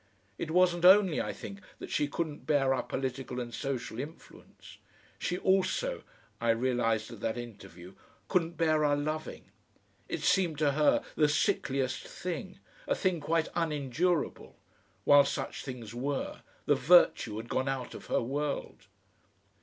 It wasn't only, I think, that she couldn't bear our political and social influence; she also I realised at that interview couldn't bear our loving. It seemed to her the sickliest thing, a thing quite unendurable. While such things were, the virtue had gone out of her world.